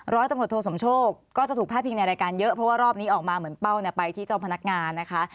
ร้อยตำรวจโทสมโชคก็จะถูกพาดพิงในรายการเยอะเพราะว่ารอบนี้ออกมาเหมือนเป้าไปที่เจ้าพนักงานนะคะ